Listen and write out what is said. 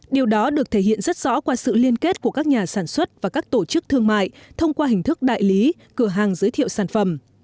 điều đó được thể hiện rất rõ qua sự liên kết của các nhà sản xuất và các tổ chức thương mại thông qua hình thức đại lý cửa hàng giới thiệu sản phẩm